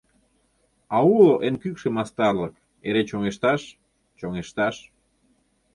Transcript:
А уло эн кӱкшӧ мастарлык Эре чоҥешташ, чоҥешташ.